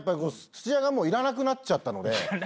土屋がいらなくなっちゃったので。